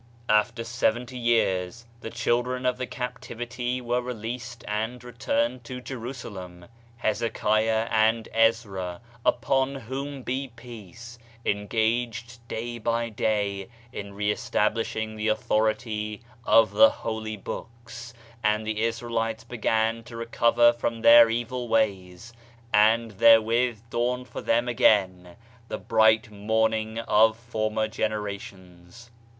After seventy years, the children of the cap tivity were released and returned to Jerusalem. Hezekiah and Ezra (upon whom be peacel) en gaged day by day in re establishing the authority of the holy Books, and the Israelites began to re cover from their evil ways; and therewith dawned for them again the bright morning of former gen erations.